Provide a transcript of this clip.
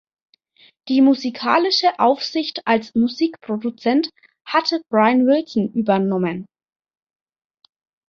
Die musikalische Aufsicht als Musikproduzent hatte Brian Wilson übernommen.